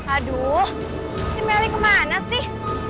aduh si melly kemana sih